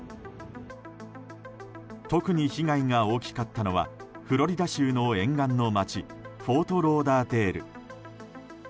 特に被害が大きかったのはフロリダ州の沿岸の街フォートローダーデール。